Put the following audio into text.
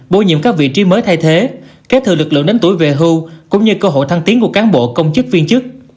bổ nhiệm các vị trí mới thay thế kế thừa lực lượng đến tuổi về hưu cũng như cơ hội thăng tiến của cán bộ công chức viên chức